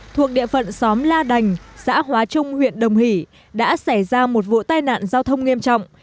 thuộc địa phận xóm la đành xã hóa trung huyện đồng hỷ đã xảy ra một vụ tai nạn giao thông nghiêm trọng